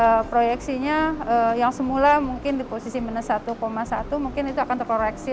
kalau proyeksinya yang semula mungkin di posisi minus satu satu mungkin itu akan terkoreksi